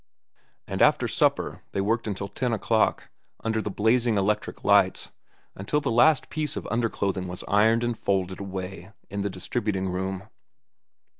And after supper they worked until ten o'clock, under the blazing electric lights, until the last piece of under clothing was ironed and folded away in the distributing room.